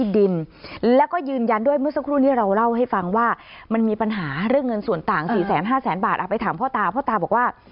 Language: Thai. ซึ่งเงินส่วนต่าง๔๕แสนบาทไปถามพ่อตาพ่อตาบอกว่า